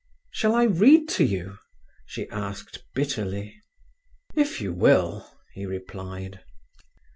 "Shall I read to you?" she asked bitterly. "If you will," he replied.